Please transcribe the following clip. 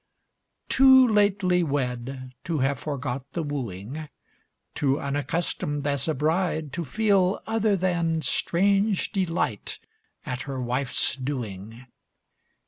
IV Too lately wed to have forgot the wooing. Too unaccustomed as a bride to feel Other than strange delight at her wife's doing.